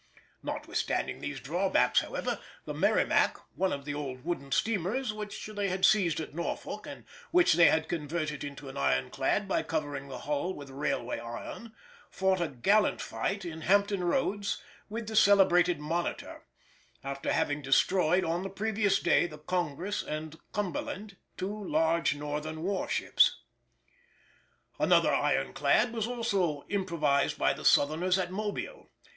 Notwithstanding these drawbacks, however, the Merrimac, one of the old wooden steamers which they had seized at Norfolk, and which they had converted into an ironclad by covering the hull with railway iron, fought a gallant fight in Hampton Roads with the celebrated Monitor, after having destroyed on the previous day the Congress and Cumberland, two large Northern war ships. Another ironclad was also improvised by the Southerners at Mobile.